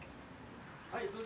・はいどうぞ。